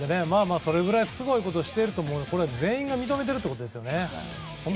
それぐらい、すごいことをしていると全員が認めているということですよね。